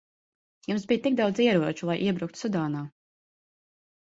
Jums bija tik daudz ieroču, lai iebruktu Sudānā.